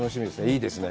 いいですね。